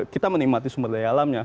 kita menikmati sumber daya alamnya